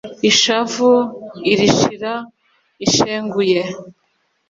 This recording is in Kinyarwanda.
ishavu irishira ishenguye